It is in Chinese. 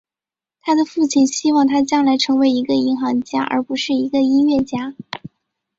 他的父亲希望他将来成为一个银行家而不是一个音乐家。